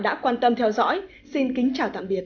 đã quan tâm theo dõi xin kính chào tạm biệt